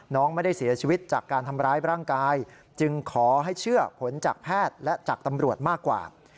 น้องไม่ได้เสียชีวิตจากการทำร้ายร่างกายจึงขอให้เชื่อผลจากแพทย์และจากตำรวจมากกว่า